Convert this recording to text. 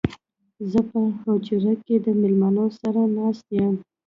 زه په حجره کې د مېلمنو سره ناست يم